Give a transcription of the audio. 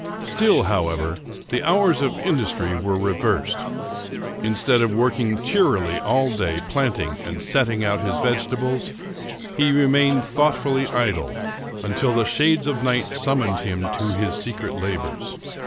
Still, however, the hours of industry were reversed. Instead of working cheerily all day, planting and setting out his vegetables, he remained thoughtfully idle, until the shades of night summoned him to his secret labors.